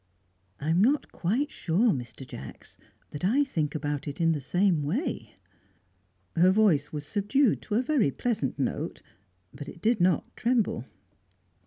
"I am not quite sure, Mr. Jacks, that I think about it in the same way." Her voice was subdued to a very pleasant note, but it did not tremble.